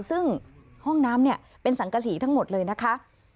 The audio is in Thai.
ซึ่งห้องน้ำเนี่ยเป็นสังกษีทั้งหมดเลยนะคะ